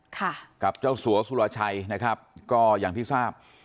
ค่ะกับเจ้าสัวสุรชัยนะครับก็อย่างที่ทราบ